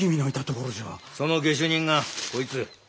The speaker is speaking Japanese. その下手人がこいつ。